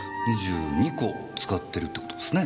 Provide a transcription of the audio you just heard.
２２個使ってるって事ですね。